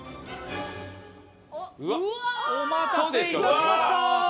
お待たせ致しました！